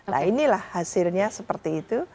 nah inilah hasilnya seperti itu